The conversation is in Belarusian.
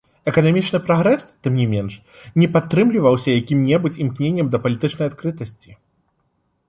Эканамічны прагрэс, тым не менш, не падтрымліваўся якім-небудзь імкненнем да палітычнай адкрытасці.